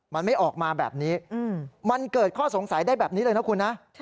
มันไม่ออกมาแบบนี้มันเกิดข้อสงสัยได้แบบนี้เลยนะคุณนะ